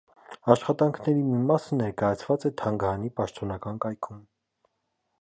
Աշխատանքների մի մասը ներկայացված է թանգարանի պաշտոնական կայքում։